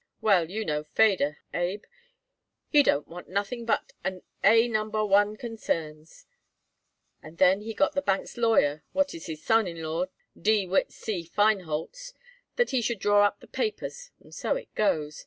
Well, you know Feder, Abe. He don't want nothing but A Number One concerns, and then he got the bank's lawyer what is his son in law, De Witt C. Feinholz, that he should draw up the papers; and so it goes.